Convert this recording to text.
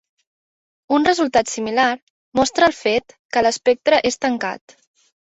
Un resultat similar mostra el fet que l'espectre és tancat.